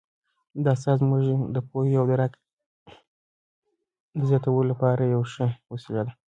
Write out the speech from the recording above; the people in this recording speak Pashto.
دا اثر زموږ د پوهې او درک د زیاتولو لپاره یوه ښه وسیله ده.